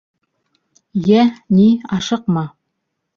— Йә, ни, ашыҡма.